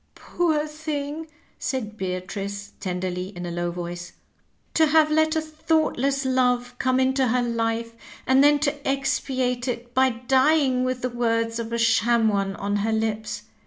" Poor thing I " said Beatrice tenderly, in a low voice ;" to have let a thoughtless love come into her life, and then to expiate it by dying with the words of a sham one on her lips.